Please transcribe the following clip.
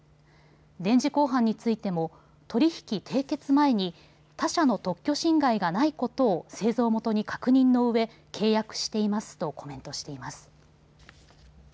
電磁鋼板についても取り引き締結前に他社の特許侵害がないことを製造元に確認のうえ契約していますとコメントしています。